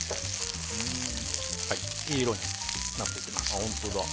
いい色になってきました。